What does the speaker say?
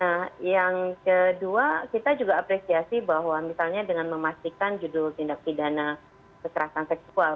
nah yang kedua kita juga apresiasi bahwa misalnya dengan memastikan judul tindak pidana kekerasan seksual